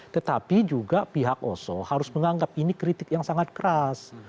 tetapi juga pihak oso harus menganggap ini kritik yang sangat keras